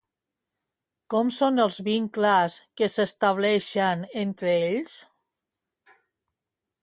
Com són els vincles que s'estableixen entre ells?